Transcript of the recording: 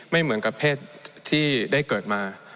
ไม่เหมือนกับเพศที่ได้เกิดมา